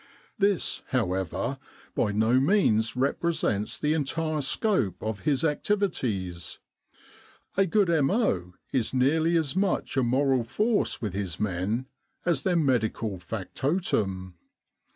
This, however, by no means represents the entire scope of his activi ties. A good M.O. is nearly as much a moral force with his men as their medical factotum.